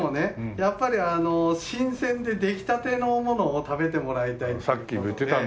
やっぱりあの新鮮で出来たてのものを食べてもらいたいっていう事で。